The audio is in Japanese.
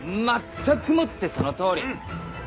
全くもってそのとおり！